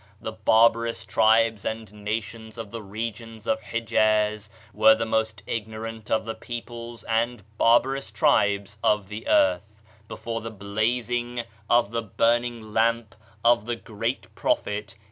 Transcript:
The barbarous tribes and nations of the regions of Hijaz were the most ignorant of the peoples and barbarous tribes of the earth before the blazing of the burning lamp of the great Prophet